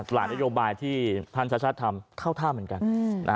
หลายนโยบายที่ท่านชาติทำเข้าท่าเหมือนกัน